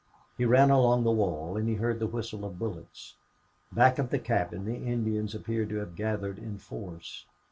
He ran along the wall, and he heard the whistle of bullets. Back of the cabin the Indians appeared to have gathered in force.